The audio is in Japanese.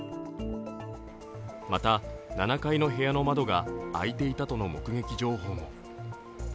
また７階の部屋の窓が開いていたとの目撃情報も。